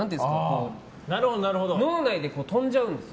脳内で飛んじゃうんですよ。